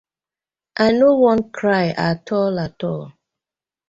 I no won cry atol atol.